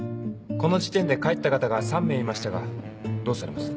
この時点で帰った方が３名いましたがどうされます？